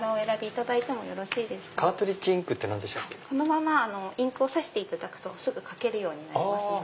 このままインクを挿すとすぐ書けるようになります。